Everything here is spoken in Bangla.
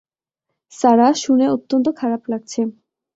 সারাহ, শুনে অত্যন্ত খারাপ লাগছে।